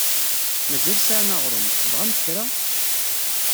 Mazal sɛan aɣṛum. Tebɣamt kra?